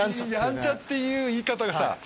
ヤンチャっていう言い方がさ。